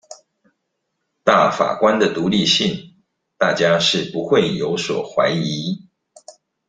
大法官的獨立性大家是不會有所懷疑